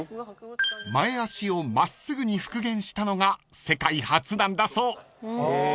［前足を真っすぐに復元したのが世界初なんだそう］